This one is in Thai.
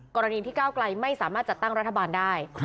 กรณีที่ก้าวไกลไม่สามารถจัดตั้งรัฐบาลได้